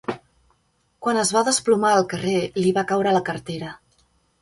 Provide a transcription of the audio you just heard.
Quan es va desplomar al carrer, li va caure la cartera.